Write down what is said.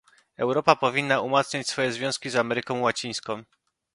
Europa powinna umacniać swoje związki z Ameryką Łacińską